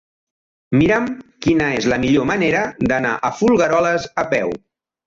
Mira'm quina és la millor manera d'anar a Folgueroles a peu.